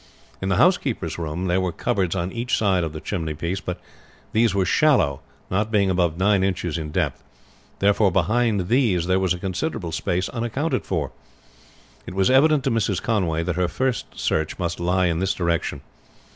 In the housekeeper's room there were cupboards on each side of the chimney piece, but these were shallow, not being above nine inches in depth; therefore behind these there was a considerable space unaccounted for. It was evident to Mrs. Conway that her first search must lie in this direction.